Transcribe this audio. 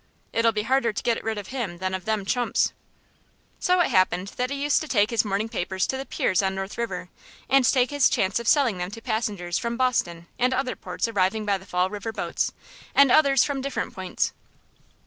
It'll be harder to get rid of him than of them chumps." So it happened that he used to take down his morning papers to the piers on the North River, and take his chance of selling them to passengers from Boston and others ports arriving by the Fall River boats, and others from different points.